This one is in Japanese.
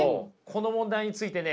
この問題についてね